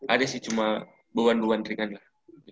ada sih cuma beban beban ringan lah